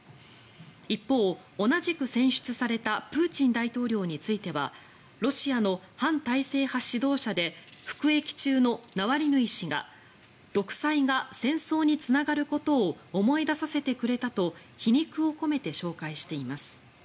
一方、同じく選出されたプーチン大統領についてはロシアの反体制派指導者で服役中のナワリヌイ氏が独裁が戦争につながることを思い出させてくれたと皮肉を込めて紹介しています。